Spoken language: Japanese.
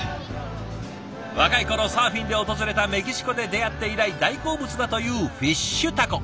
若い頃サーフィンで訪れたメキシコで出会って以来大好物だというフィッシュタコ。